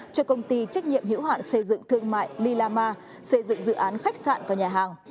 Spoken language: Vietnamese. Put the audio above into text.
cho công ty trách nhiệm hiểu hạn xây dựng thương mại lila ma xây dựng dự án khách sạn và nhà hàng